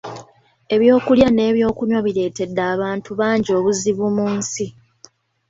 Ebyokulya n’ebyokunywa bireetedde abantu bangi obuzibu mu nsi.